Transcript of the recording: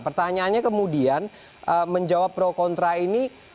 pertanyaannya kemudian menjawab pro kontra ini